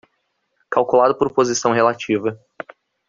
Calculado por posição relativa